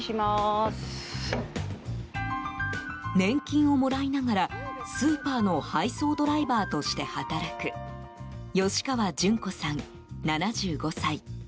年金をもらいながらスーパーの配送ドライバーとして働く吉川順子さん、７５歳。